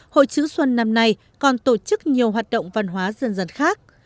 hội chữ xuân năm nay còn tổ chức nhiều hoạt động văn hóa dân dân khác